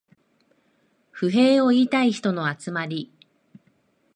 不平を言いたい人の集まり